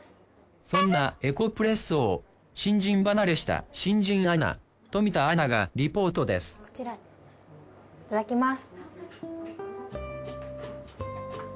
そんなエコプレッソを新人離れした新人アナ冨田アナがリポートですいただきます。